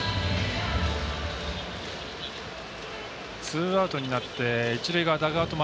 ツーアウトになって一塁側ダグアウト